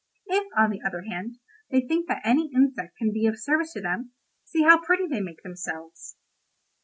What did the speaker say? If, on the other hand, they think that any insect can be of service to them, see how pretty they make themselves.